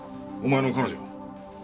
お前の彼女か？